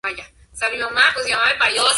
Luego seria su obispo Mons.